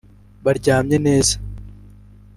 Baryamye neza